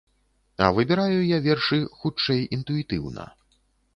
А выбіраю я вершы, хутчэй, інтуітыўна.